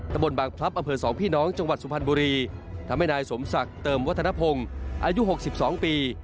ตะบนบางพลับอำเภอสองพี่น้องจังหวัดสุพรรณบุรีทำให้นายสมศักดิ์เติมวัฒนภงอายุ๖๒ปี